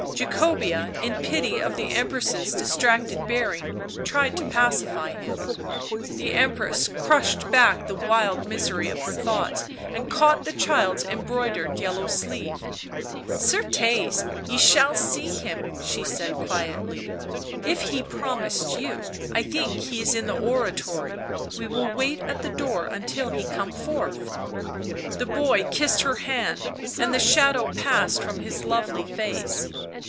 Jacobea, in pity of the Empress's distracted bearing, tried to pacify him. The Empress crushed back the wild misery of her thoughts, and caught the child's embroidered yellow sleeve. " Certes, ye shall see him," she said quietly, " if he promised you— I think he is in the oratory, we will wait at the door until he come forth." The boy kissed her hand, and the shadow passed from his lovely face.